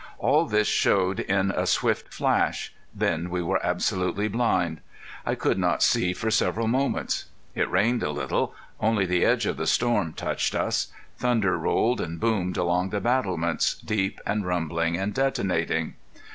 All this showed in a swift flash then we were absolutely blind. I could not see for several moments. It rained a little. Only the edge of the storm touched us. Thunder rolled and boomed along the battlements, deep and rumbling and detonating.